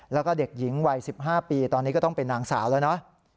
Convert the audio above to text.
แล้วก็เด็กหญิงวัย๑๕ปีตอนนี้ก็ต้องเป็นนางสาวแล้วนะ